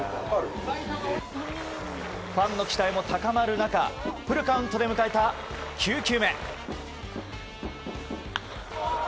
ファンの期待も高まる中フルカウントで迎えた９球目。